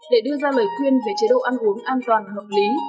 để đưa ra lời khuyên về chế độ ăn uống an toàn hợp lý